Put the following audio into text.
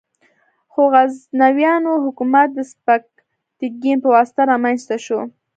خو غزنویان حکومت د سبکتګین په واسطه رامنځته شو.